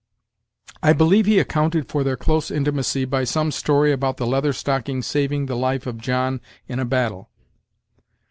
"I believe he accounted for their close intimacy by some story about the Leather Stocking saving the life of John in a battle."